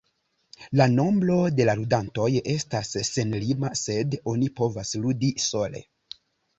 La nombro da ludantoj estas senlima, sed oni ne povas ludi sole.